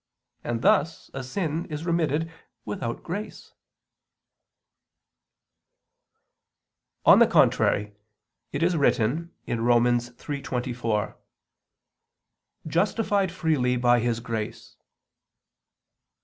And thus a sin is remitted without grace. On the contrary, It is written (Rom. 3:24): "Justified freely by His grace."